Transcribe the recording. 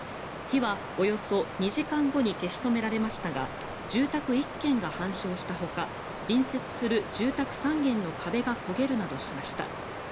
火はおよそ２時間後に消し止められましたが住宅１軒が半焼したほか隣接する住宅３軒の壁が焦げるなどしました。